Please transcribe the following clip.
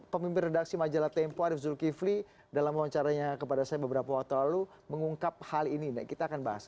pemimpin redaksi majalah tempo arief zulkifli dalam wawancaranya kepada saya beberapa waktu lalu mengungkap hal ini kita akan bahas